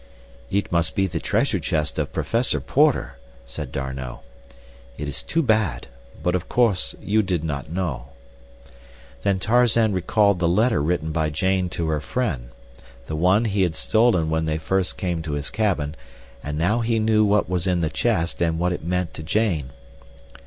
"It must be the treasure chest of Professor Porter," said D'Arnot. "It is too bad, but of course you did not know." Then Tarzan recalled the letter written by Jane to her friend—the one he had stolen when they first came to his cabin, and now he knew what was in the chest and what it meant to Jane.